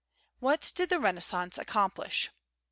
What Did the Renaissance Accomplish?